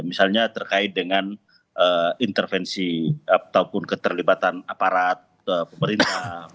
misalnya terkait dengan intervensi ataupun keterlibatan aparat pemerintah